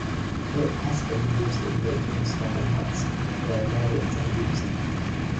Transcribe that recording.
It has been used in making stopper knots where lariats are used.